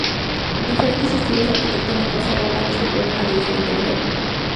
Diferentes estilos arquitectónicos abordan este problema de diferente manera.